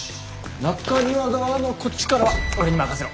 中庭側のこっちからは俺に任せろ。